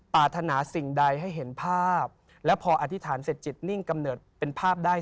ปรารถนาสิ่งใดให้เห็นภาพและพออธิษฐานเสร็จจิตนิ่งกำเนิดเป็นภาพได้